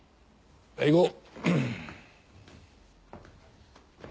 はい行こう。